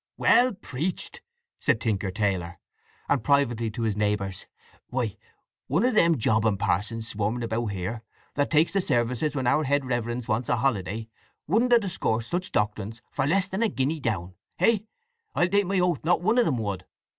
"Well preached!" said Tinker Taylor. And privately to his neighbours: "Why, one of them jobbing pa'sons swarming about here, that takes the services when our head reverends want a holiday, wouldn't ha' discoursed such doctrine for less than a guinea down. Hey? I'll take my oath not one o' 'em would!